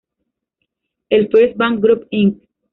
El First Banc Group Inc.